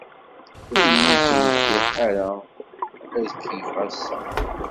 Ur yi-d-tenfiḥ ara ad keyyfeɣ assa.